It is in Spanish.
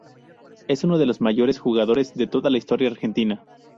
Es uno de los mayores jugadores de toda la historia argentina.